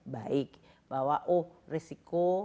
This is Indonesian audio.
baik bahwa oh risiko